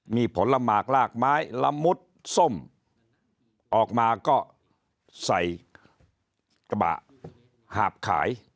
มีผลมากลากไม้ละมุดส้มออกมาก็ใส่กระบะหาบขาย